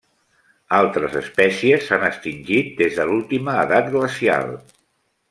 Altres espècies s'han extingit des de l'última edat glacial.